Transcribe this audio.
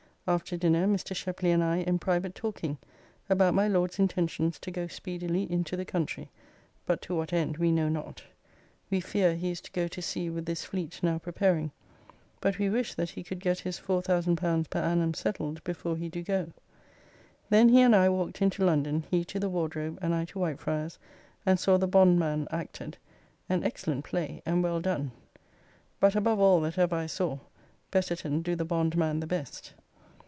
After dinner Mr. Shepley and I in private talking about my Lord's intentions to go speedily into the country, but to what end we know not. We fear he is to go to sea with this fleet now preparing. But we wish that he could get his L4000 per annum settled before he do go. Then he and I walked into London, he to the Wardrobe and I to Whitefryars, and saw "The Bondman" acted; an excellent play and well done. But above all that ever I saw, Betterton do the Bond man the best.